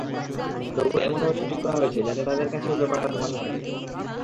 তবু এমনভাবে শুটিং করা হয়েছে, যাতে তাঁদের কাছেও ব্যাপারটা ধোঁয়াশা থাকে।